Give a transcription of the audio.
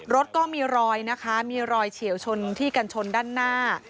รถก็มีรอยนะคะมีรอยเฉียวชนที่กันชนด้านหน้า